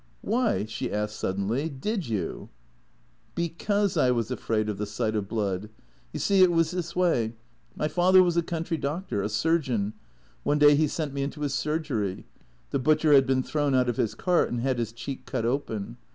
Why," she asked suddenly, " did you ?""" Because I was afraid of the sight of blood. You see, it was this way. My father was a country doctor — a surgeon. One day he sent me into his surgery. The butcher had been thrown out of his cart and had his cheek cut open.